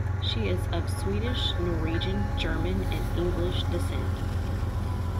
She is of Swedish, Norwegian, German, and English descent.